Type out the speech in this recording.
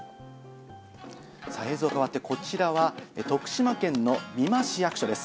映像変わって、こちらは徳島県の美馬市役所です。